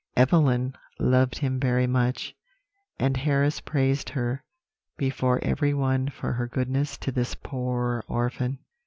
Evelyn loved him very much, and Harris praised her before every one for her goodness to this poor orphan.